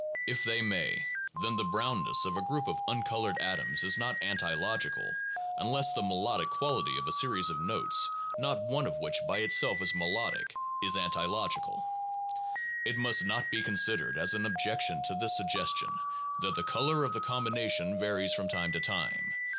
If they may, then the brownness of a group of uncolored atoms is not anti logical, unless the melodic quality of a series of notes, not one of which by itself is melodic, is anti logical. It must not be considered as an objection to this sug gestion that the color of the combination varies from time to time.